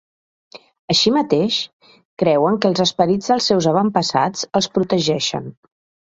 Així mateix, creuen que els esperits dels seus avantpassats els protegeixen.